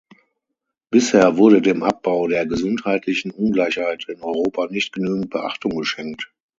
Bisher wurde dem Abbau der gesundheitlichen Ungleichheit in Europa nicht genügend Beachtung geschenkt.